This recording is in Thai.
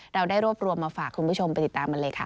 เราได้รวบรวมมาฝากคุณผู้ชมไปติดตามกันเลยค่ะ